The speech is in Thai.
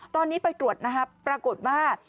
ตอนนี้ไปตรวจปรากฏว่า